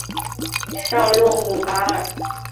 绍洛姆瓦尔。